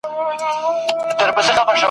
زه به شمع غوندي ستا په لار کي بل سم ..